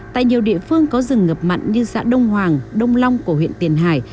tại nhiều địa phương có rừng ngập mặn như xã đông hoàng đông long của huyện tiền hải